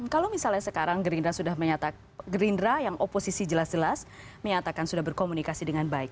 kalau misalnya sekarang gerindra sudah menyatakan gerindra yang oposisi jelas jelas menyatakan sudah berkomunikasi dengan baik